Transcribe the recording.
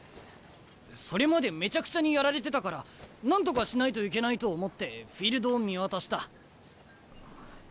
それまでめちゃくちゃにやられてたからなんとかしないといけないと思ってフィールドを見渡した。